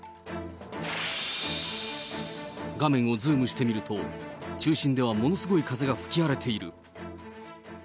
画面をズームしてみると、中心ではものすごい風が吹き荒れている。